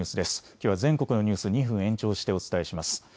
きょうは全国のニュース２分延長してお伝えします。